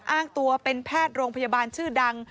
อ้างตัวเป็นแพทย์โรงพยาบาลชื่อดัง